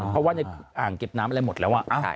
เพราะว่าในอ่างเก็บน้ำอะไรหมดแล้ว